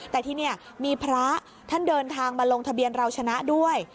แต่ที่นี่มีพระท่านเดินทางมาลงทะเบียนเราชนะด้วย